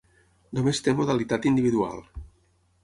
Només té modalitat individual.